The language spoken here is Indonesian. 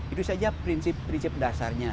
itu saja prinsip prinsip dasarnya